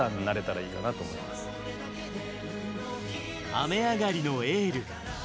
「雨上がりのエール」。